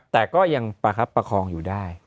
แต่ก็ยังประคับประคองอยู่ได้